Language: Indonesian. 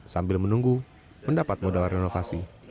sambil menunggu mendapat modal renovasi